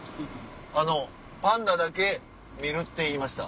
あのパンダだけ見るって言いました。